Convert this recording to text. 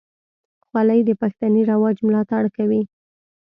خولۍ د پښتني رواج ملاتړ کوي.